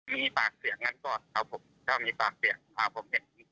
มีปากเสียงงั้นก็เอาผมถ้ามีปากเสียงเอาผมเห็น